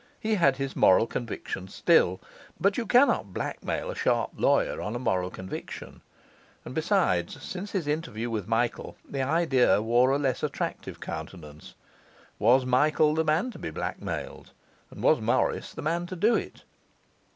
He had his moral conviction still; but you cannot blackmail a sharp lawyer on a moral conviction. And besides, since his interview with Michael, the idea wore a less attractive countenance. Was Michael the man to be blackmailed? and was Morris the man to do it?